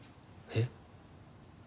えっ？